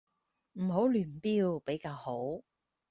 唔好亂標比較好